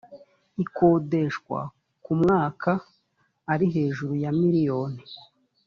ikodeshwa ku mwaka ari hejuru ya miliyoni